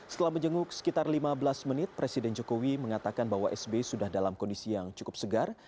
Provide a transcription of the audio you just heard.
setelah menjenguk sekitar lima belas menit presiden jokowi mengatakan bahwa sb sudah dalam kondisi yang cukup segar